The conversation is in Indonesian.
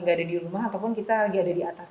gak ada di rumah ataupun kita lagi ada di atas